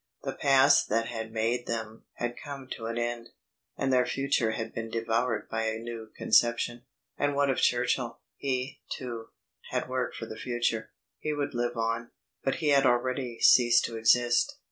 The past that had made them had come to an end, and their future had been devoured by a new conception. And what of Churchill? He, too, had worked for the future; he would live on, but he had already ceased to exist.